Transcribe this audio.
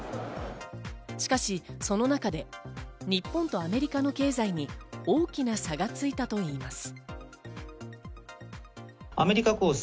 しかし、その中で日本とアメリカの経済に大きな差がついたといいます。